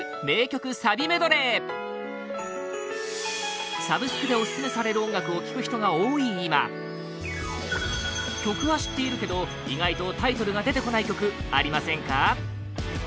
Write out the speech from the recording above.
名曲サビメドレーサブスクでオススメされる音楽を聴く人が多い今曲は知っているけど意外とタイトルが出てこない曲ありませんか？